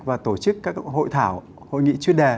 và tổ chức các hội thảo hội nghị chuyên đề